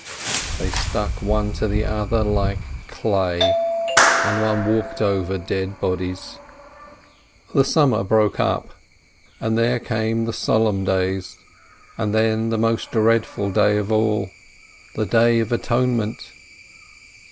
They stuck one to the other like clay, and one walked over dead bodies. THREE WHO ATE 271 The summer broke up, and there came the Solemn Days, and then the most dreadful day of all — the Day of Atonement.